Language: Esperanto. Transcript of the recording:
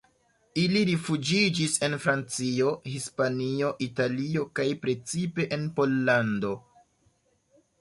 Ili rifuĝiĝis en Francio, Hispanio, Italio kaj precipe en Pollando.